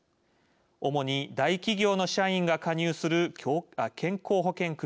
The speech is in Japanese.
主に大企業の社員が加入する健康保険組合。